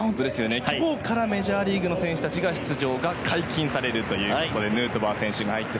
今日からメジャーリーグの選手たちが出場解禁されるということでヌートバー選手が入って。